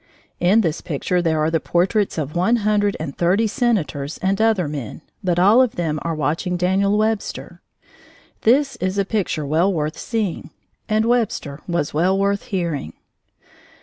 In this picture there are the portraits of one hundred and thirty senators and other men, but all of them are watching Daniel Webster. This is a picture well worth seeing, and Webster was well worth hearing.